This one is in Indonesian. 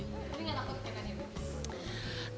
tapi nggak takutnya kan ya